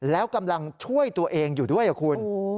แล้วกำลังช่วยตัวเองอยู่ด้วยคุณ